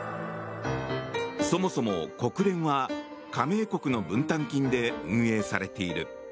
そもそも国連は加盟国の分担金で運営されている。